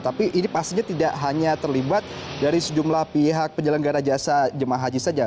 tapi ini pastinya tidak hanya terlibat dari sejumlah pihak penyelenggara jasa jemaah haji saja